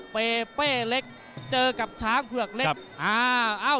เปเป้เล็กเจอกับช้างเผือกเล็ก